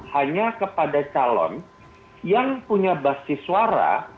hanya kepada calon yang punya basis suara